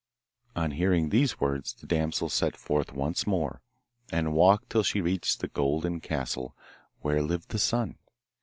On hearing these words the damsel set forth once more, and walked till she reached the Golden Castle, where lived the Sun.